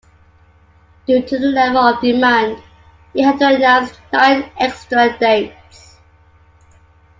Due to the level of demand, he had to announce nine extra dates.